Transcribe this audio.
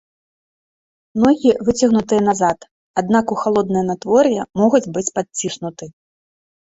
Ногі выцягнутыя назад, аднак у халоднае надвор'е могуць быць падціснуты.